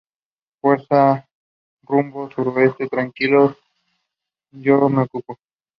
This woreda is primarily inhabited by the Somali.